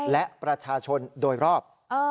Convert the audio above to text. และประชาชนโดยรอบ